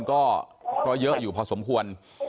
ก็เยอะอยู่พอสมควร